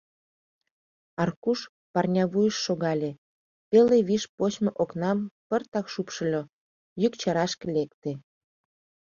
Аркуш парнявуйыш шогале, пеле виш почмо окнам пыртак шупшыльо: йӱк чарашке лекте.